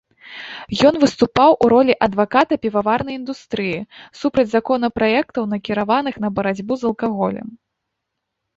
Ён выступаў у ролі адваката піваварнай індустрыі, супраць законапраектаў, накіраваных на барацьбу з алкаголем.